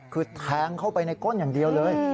คือแทงเข้าไปในก้นอย่างเดียวเลย